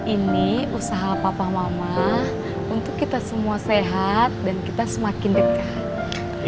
ini usaha papa mama untuk kita semua sehat dan kita semakin dekat